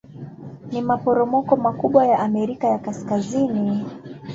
Ni maporomoko makubwa ya Amerika ya Kaskazini.